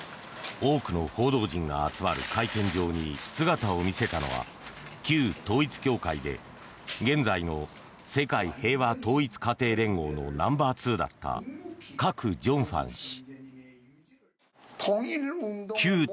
多くの報道陣が集まる会見場に姿を見せたのは旧統一教会で現在の世界平和統一家庭連合のナンバーツーだったカク・ジョンファン氏。